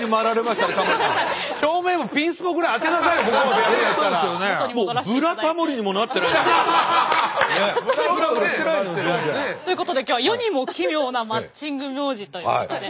ちょっとだけ。ということで今日は世にも奇妙なマッチング名字ということで。